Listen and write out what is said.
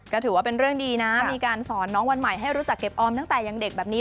ก็ถือว่าเป็นเรื่องดีนะมีการสอนน้องวันใหม่ให้รู้จักเก็บออมตั้งแต่ยังเด็กแบบนี้